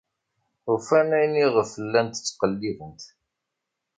Ufan ayen iɣef llant ttqellibent.